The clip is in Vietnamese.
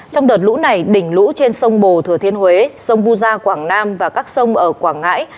trong đợt lũ này đỉnh lũ trên sông bồ thừa thiên huế sông vu gia quảng nam và các sông ở quảng ngãi